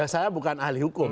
saya bukan ahli hukum